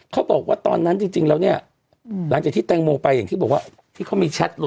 เขาบอกว่าตอนนั้นจริงแล้วเนี่ยหลังจากที่แตงโมไปอย่างที่บอกว่าที่เขามีแชทหลุด